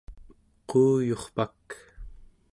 quuyurpak